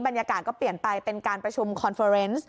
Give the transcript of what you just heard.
บรรยากาศก็เปลี่ยนไปเป็นการประชุมคอนเฟอร์เนส